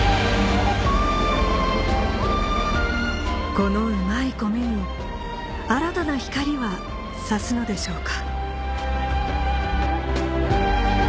このうまいコメに新たな光は差すのでしょうか